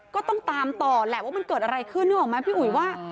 ก็ต้องตามต่อแหละว่ามันเกิดอะไรขึ้นนึกออกไหมพี่อุ๋ยว่า